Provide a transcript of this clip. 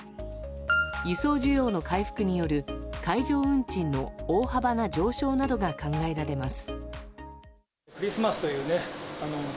輸送需要の回復による海上運賃の大幅な上昇などが考えられます。